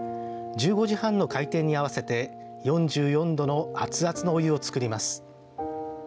１５時半の開店に合わせて４４度の熱々のお湯を作ります。